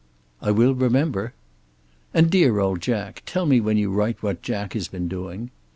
"I will remember." "And dear old Jack. Tell me when you write what Jack has been doing."